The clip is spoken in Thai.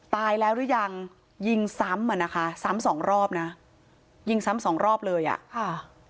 ตายแล้วหรือยังยิงซ้ำอ่ะนะคะซ้ำสองรอบนะยิงซ้ำสองรอบเลยอ่ะค่ะ